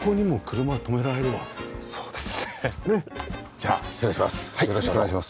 じゃあ失礼します。